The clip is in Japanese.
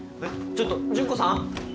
ちょっと純子さん？